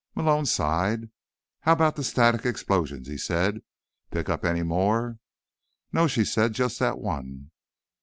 Malone sighed. "How about the static explosions?" he said. "Pick up any more?" "No," she said. "Just that one."